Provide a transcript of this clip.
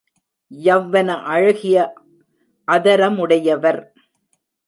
யவ்வன அழகிய அதரமுடையவர்!